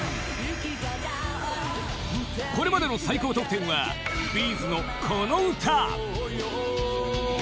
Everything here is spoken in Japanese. これまでの最高得点は Ｂ’ｚ のこの歌